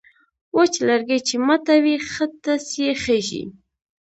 وچ لرگی چې ماتوې، ښه ټس یې خېژي.